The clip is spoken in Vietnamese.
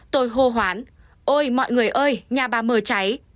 tôi hô hoán ôi mọi người ơi nhà bà mờ cháy